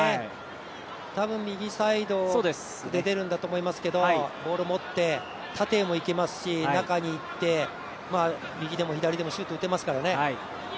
多分、右サイドで出るんだと思うんですけどボールを持って、縦へも行けますし、中に行って右でも左でもシュート打てますからね。